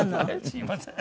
すみません。